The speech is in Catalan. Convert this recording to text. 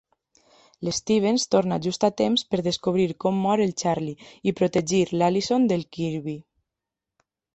L'Stevens torna just a temps per descobrir com mor el Charlie i protegir l'Alison del Kirby.